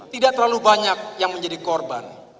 tidak terlalu banyak yang menjadi korban